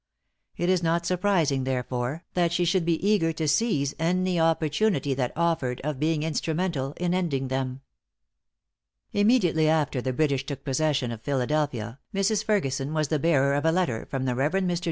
It is not surprising, therefore, that she should be eager to seize any opportunity that offered, of being instrumental in ending them. Immediately after the British took possession of Philadelphia, Mrs. Ferguson was the bearer of a letter from the Rev. Mr.